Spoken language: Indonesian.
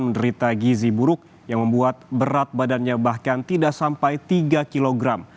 menderita gizi buruk yang membuat berat badannya bahkan tidak sampai tiga kg